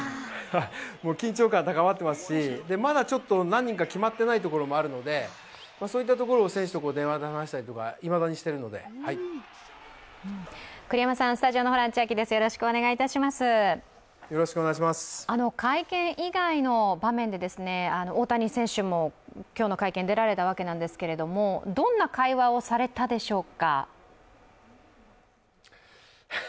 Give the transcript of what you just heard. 緊張感高まっていますし、まだ何人か決まっていないところがあるので、そういったところを選手と電話で話したりとか、いまだにしてるので会見以外の場面で、大谷選手も今日の会見、出られたわけですけどどんな会話をされたでしょうか？